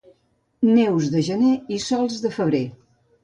Neus de gener i sols de febrer.